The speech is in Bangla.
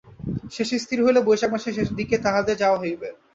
শেষে স্থির হইল বৈশাখ মাসের দিকে তাহদের যাওয়া হইবে।